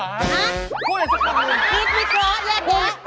อ้ากกกกก